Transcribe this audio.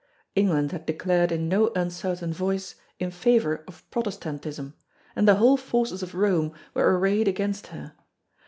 England had declared in no uncertain voice in favour of Protestantism, and the whole forces of Rome were arrayed against her.